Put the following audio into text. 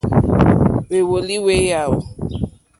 Hwèwòló hwé yáò.